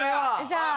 じゃあ。